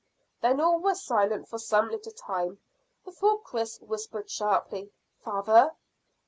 Then all was silent for some little time, before Chris whispered sharply "Father!"